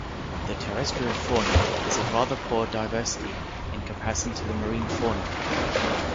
The terrestrial fauna is of rather poor diversity in comparison to the marine fauna.